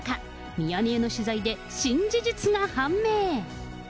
ミヤネ屋の取材で新事実が判明。